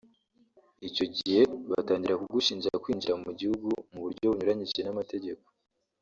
Icyo gihe batangira kugushinja kwinjira mu gihugu mu buryo bunyuranyije n’amategeko